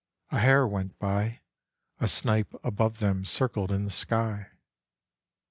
A hare went by, A snipe above them circled in the sky."